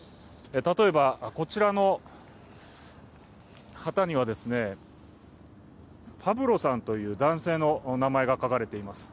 例えばこちらの旗には、パブロさんという男性の名前が書かれています。